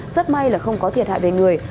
rất may là không có thiệt hại về người